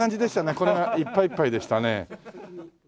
これがいっぱいいっぱいでしたね。